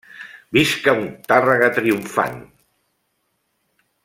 Visca un Tàrrega triomfant!